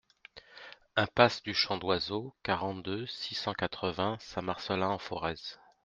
Impasse du Chant d'Oiseau, quarante-deux, six cent quatre-vingts Saint-Marcellin-en-Forez